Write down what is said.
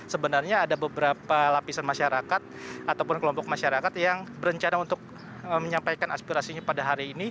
sebenarnya ada beberapa lapisan masyarakat ataupun kelompok masyarakat yang berencana untuk menyampaikan aspirasinya pada hari ini